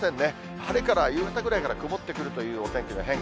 晴れから、夕方ぐらいから曇ってくるというお天気の変化。